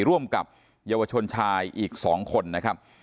ร่วมกับเยาวชนชายอีก๒คนนะครับ